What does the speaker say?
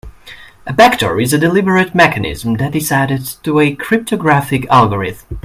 A backdoor is a deliberate mechanism that is added to a cryptographic algorithm.